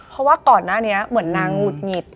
เพราะว่าก่อนหน้านี้เหมือนนางหงุดหงิด